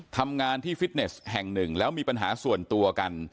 ทำงานที่ฟิตเนสแห่งหนึ่งแล้วมีปัญหาส่วนตัวกัน